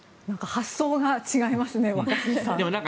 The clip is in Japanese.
発想が違いますね若新さん。